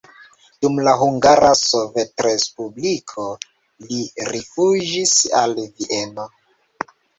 Dum la Hungara Sovetrespubliko li rifuĝis al Vieno.